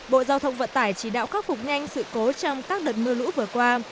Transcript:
bộ giao thông vận tải chỉ đạo khắc phục nhanh sự cố trong các đợt mưa lũ vừa qua